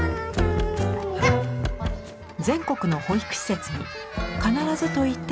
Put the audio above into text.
全国の保育施設に必ずと言っていいほどあります。